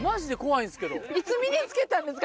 いつ身に付けたんですか？